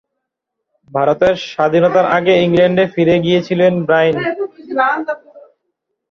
ভারতের স্বাধীনতার আগে ইংল্যান্ডে ফিরে গিয়েছিলেন ব্রাইন।